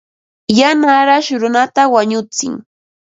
Yana arash runata wañutsin.